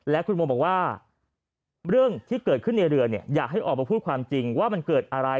และคุณโมบอกว่าเรื่องที่เกิดขึ้นในเรือเนี่ยอยากให้ออกมาพูดความจริงว่ามันเกิดอะไร